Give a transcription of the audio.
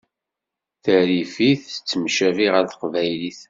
Tarifit tettemcabi ɣer teqbaylit.